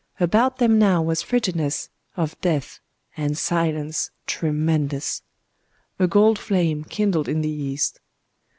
About them now was frigidness of death,—and silence tremendous….A gold flame kindled in the east.